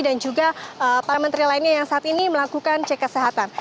dan juga para menteri lainnya yang saat ini melakukan cek kesehatan